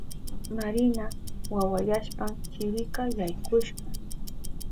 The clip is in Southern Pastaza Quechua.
Marina wawayashpan chirika yaykushka.